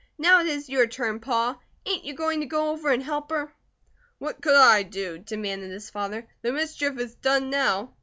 Now it is your turn, Pa. Ain't you going to go over and help her?" "What could I do?" demanded his father. "The mischief is done now."